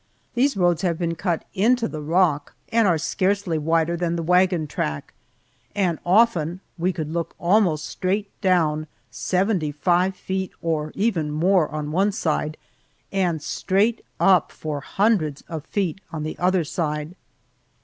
These roads have been cut into the rock and are scarcely wider than the wagon track, and often we could look almost straight down seventy five feet, or even more, on one side, and straight up for hundreds of feet on the other side.